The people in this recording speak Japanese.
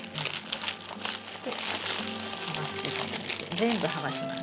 全部剥がします。